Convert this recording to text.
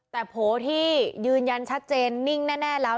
แต่โผล่ที่ยืนยันชัดเจนนิ่งแน่แล้ว